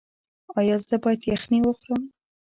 ایا زه باید یخني وخورم؟